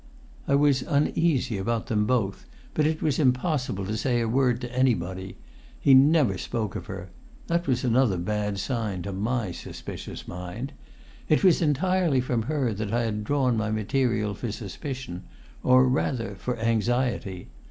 I was uneasy about them both; but it was impossible to say a word to anybody. He never spoke of her; that was another bad sign to my suspicious mind. It was entirely from her that I had drawn my material for suspicion, or rather for anxiety.